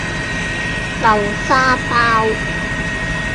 豆沙包